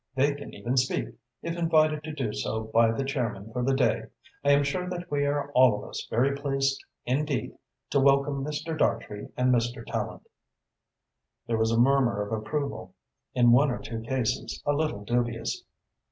"They can even speak, if invited to do so by the chairman for the day. I am sure that we are all of us very pleased indeed to welcome Mr. Dartrey and Mr. Tallente." There was a murmur of approval, in one or two cases a little dubious.